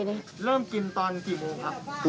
ผมเริ่มกินตอนกี่โมงครับ